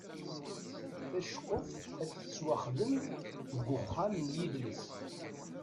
Taceqquft ad tettwaxdem deg uxxam n yidles.